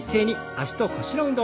脚と腰の運動。